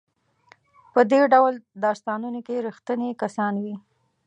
په دې ډول داستانونو کې ریښتوني کسان وي.